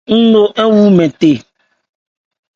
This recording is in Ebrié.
Ń no ńthé ń wu mɛ the.